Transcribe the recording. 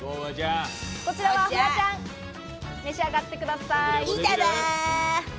こちらはフワちゃん、召し上がってください。